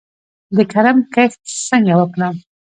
د کرم کښت څنګه وکړم؟